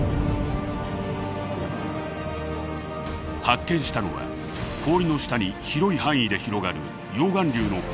発見したのは氷の下に広い範囲で広がる溶岩流の痕跡でした。